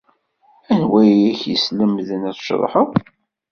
Anwa ay ak-yeslemden ad tceḍḥed?